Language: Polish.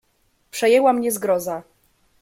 "Przejęła mnie zgroza."